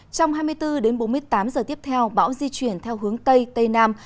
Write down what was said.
trong hai mươi bốn đến bốn mươi tám giờ tiếp theo bão di chuyển theo hướng tây tây nam